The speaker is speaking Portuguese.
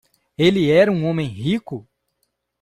Ele era um homem rico?